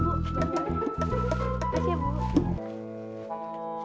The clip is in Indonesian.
kasih ya bu